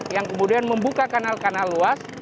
yang kemudian membuka kanal kanal luas